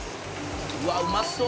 「うわっうまそう！」